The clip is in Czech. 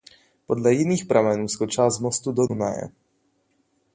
Podle jiných pramenů skočila z mostu do Dunaje.